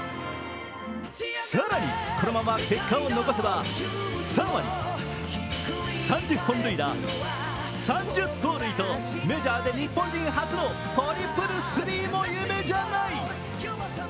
更に、このまま結果を残せば３割、３０本塁打、３０盗塁とメジャーで日本人初のトリプルスリーも夢じゃない。